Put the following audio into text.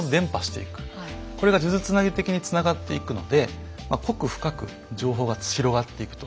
これが数珠つなぎ的につながっていくので濃く深く情報が広がっていくと。